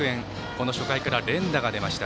この初回から連打が出ました。